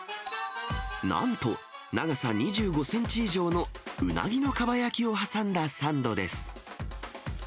なんと長さ２５センチ以上のうなぎのかば焼きを挟んだサンドです。